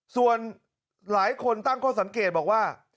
ส่วนหลายคนตั้งข้อสังเกตบอกว่า